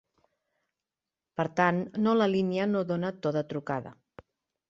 Per tant, no la línia no dona to de trucada.